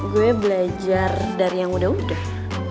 gue belajar dari yang udah udah